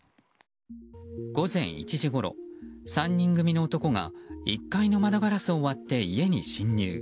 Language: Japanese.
午前１時ごろ、３人組の男が１階の窓ガラスを割って家に侵入。